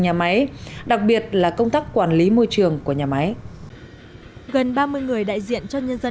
nhà máy đặc biệt là công tác quản lý môi trường của nhà máy gần ba mươi người đại diện cho nhân dân